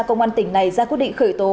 công an tỉnh này ra quyết định khởi tố